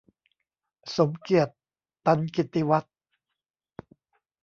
สมเกียรติ ตันกิตติวัฒน์